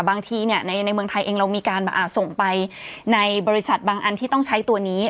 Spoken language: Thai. บางทีในเมืองไทยเองเรามีการส่งไปในบริษัทบางอันที่ต้องใช้ตัวนี้